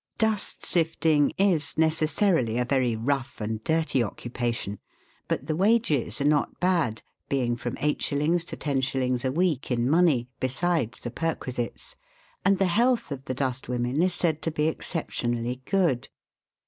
Dust sifting is necessarily a very rough and dirty occu pation, but the wages are not bad, being from 8s. to IDS. a week in money, besides the perquisites, and the health of the dust women is said to be exceptionally good.